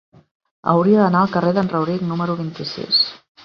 Hauria d'anar al carrer d'en Rauric número vint-i-sis.